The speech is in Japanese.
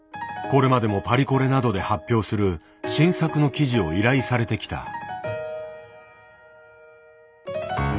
これまでもパリコレなどで発表する新作の生地を依頼されてきた。